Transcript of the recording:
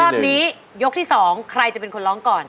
รอบนี้ยกที่๒ใครจะเป็นคนร้องก่อน